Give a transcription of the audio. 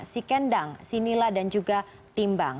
si kendang si nila dan juga timbang